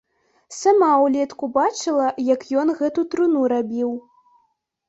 Сама ўлетку бачыла, як ён гэту труну рабіў.